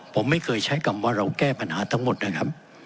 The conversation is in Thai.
ผมไม่เคยใช้คำว่าเราแก้ปัญหาทั้งหมดนะครับ